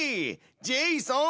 ジェイソン！